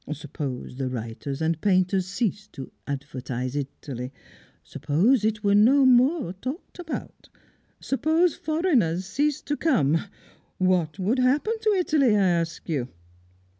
Suppose the writers and painters ceased to advertise Italy; suppose it were no more talked about; suppose foreigners ceased to come! What would happen to Italy, I ask you?"